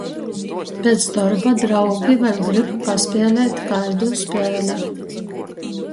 Piec dorba draugi vēļ grib paspielēt kaidu spēli.